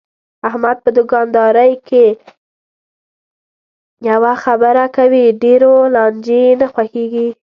احمد په دوکاندارۍ کې یوه خبره کوي، ډېرو لانجې یې نه خوښږي.